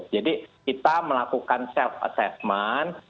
jadi kita melakukan self assessment